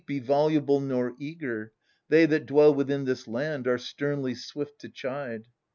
Be voluble nor eager — they that dwell Within this land are sternly swift to chide.